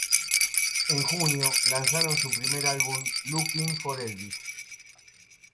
En junio lanzaron su primer álbum, "Looking for Elvis".